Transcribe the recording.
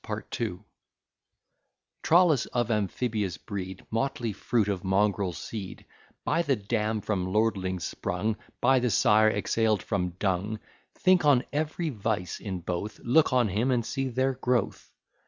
PART II TRAULUS, of amphibious breed, Motley fruit of mongrel seed; By the dam from lordlings sprung. By the sire exhaled from dung: Think on every vice in both, Look on him, and see their growth.